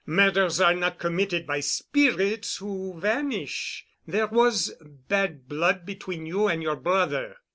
Murders are not committed by spirits who vanish. There was bad blood between you and your brother.